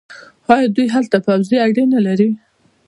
آیا دوی هلته پوځي اډې نلري؟